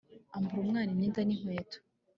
ambura umwana imyenda n'inkweto